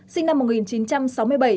sinh năm một nghìn chín trăm sáu mươi bảy